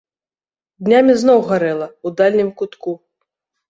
Днямі зноў гарэла, у дальнім кутку.